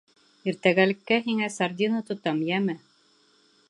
— Иртәгәлеккә һиңә сардина тотам, йәме?